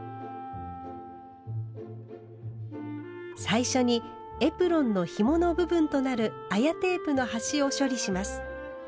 最初にエプロンのひもの部分となる綾テープの端を処理します。